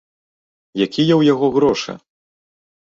Якія ў яго грошы?